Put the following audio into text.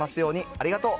ありがとう。